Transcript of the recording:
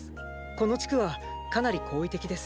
この地区はかなり好意的です。